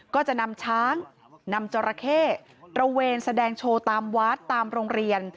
ก็จะนำช้างนำจราเข้ตระเวนแสดงโชว์ตามวัดตามโรงเรียน